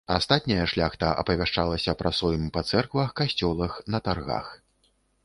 Астатняя шляхта апавяшчалася пра сойм па цэрквах, касцёлах, на таргах.